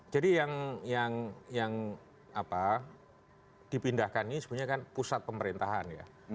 jadi yang dipindahkan ini sebenarnya kan pusat pemerintahan ya